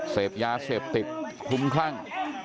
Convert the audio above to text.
เสพยาเสพติบพุ้มคร่าง